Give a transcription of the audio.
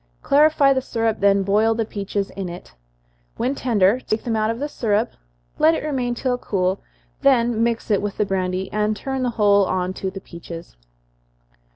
Clarify the syrup, then boil the peaches in it. When tender, take them out of the syrup, let it remain till cool, then mix it with the brandy, and turn the whole on to the peaches.